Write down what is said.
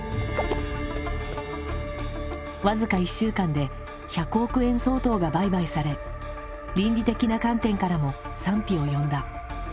僅か１週間で１００億円相当が売買され倫理的な観点からも賛否を呼んだ。